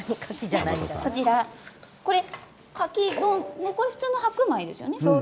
これかき丼、普通の白米ですよね。